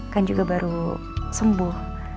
kan juga baru sembuh